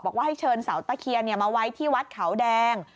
บอกว่าให้เชิญเสาตะเคียนมาไว้ที่วัดเขาแดง